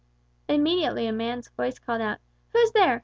Immediately a man's voice called out, "Who's there!